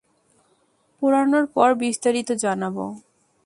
পোড়ানোর পর বিস্তারিত জানাবো?